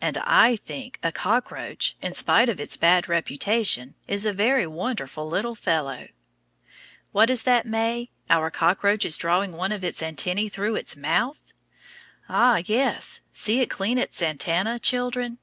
And I think a cockroach, in spite of its bad reputation, is a very wonderful little fellow. What is that, May? Our cockroach is drawing one of its antennæ through its mouth? Ah, yes, see it clean its antenna, children.